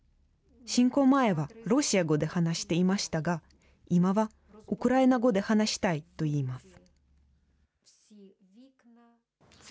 侵攻前はロシア語で話していましたが、今はウクライナ語で話したいと言います。